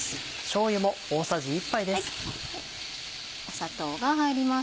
砂糖が入ります。